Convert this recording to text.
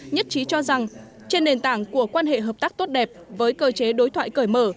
nhất trí cho rằng trên nền tảng của quan hệ hợp tác tốt đẹp với cơ chế đối thoại cởi mở